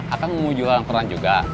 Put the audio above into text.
akan mau jual koran juga